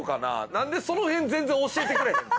なんでその辺全然教えてくれへんの？